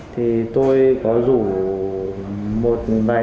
thì tôi có rủ một bài thanh niên